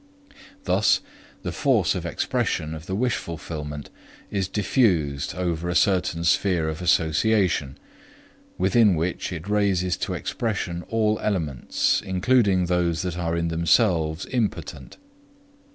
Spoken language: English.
Thus, the force of expression of the wish fulfillment is diffused over a certain sphere of association, within which it raises to expression all elements, including those that are in themselves impotent.